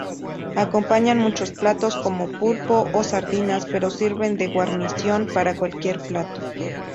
Acompañan muchos platos, como pulpo o sardinas, pero sirven de guarnición para cualquier plato.